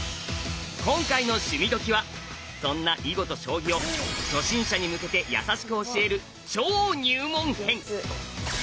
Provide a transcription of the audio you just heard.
今回の「趣味どきっ！」はそんな囲碁と将棋を初心者に向けて優しく教える超入門編！